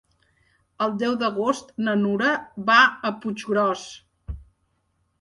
El deu d'agost na Nura va a Puiggròs.